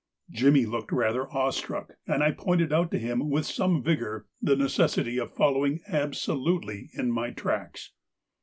Jimmy looked rather awestruck, and I pointed out to him with some vigour the necessity of following absolutely in my tracks.